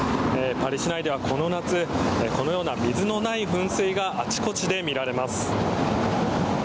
パリ市内ではこの夏このような水のない噴水があちこちで見られます。